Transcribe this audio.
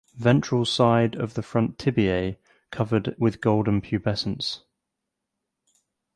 Ventral side of the front tibiae covered with golden pubescence.